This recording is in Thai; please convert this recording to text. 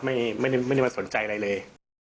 ไม่ได้มาสนใจอะไรเลย